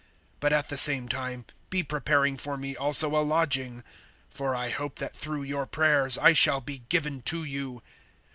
(22)But at the same time be preparing for me also a lodging; for I hope that through your prayers I shall be given to you.